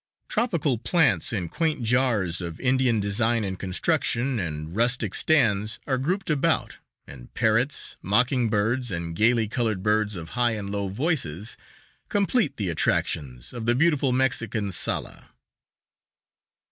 Tropical plants in quaint jars of Indian design and construction and rustic stands are grouped about, and parrots, mocking birds, and gayly colored birds of high and low voices complete the attractions of the beautiful Mexican _sala.